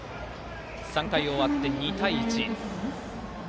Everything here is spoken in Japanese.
３回終わって２対１。